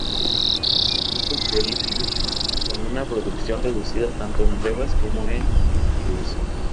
Poco prolífica, con una producción reducida tanto de brevas como de higos.